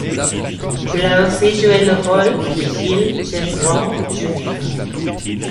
Il a aussi joué le rôle de Gilles Gendron Jr.